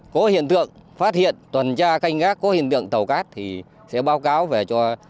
có hiện tượng phát hiện tuần tra canh gác có hiện tượng tàu cát thì sẽ báo cáo về cho